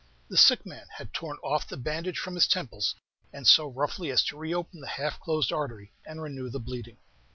The sick man had torn off the bandage from his temples, and so roughly as to reopen the half closed artery, and renew the bleeding.